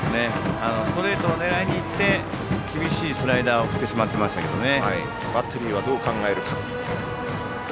ストレートを狙いに行って厳しいスライダーを振ってしまっていましたけどね。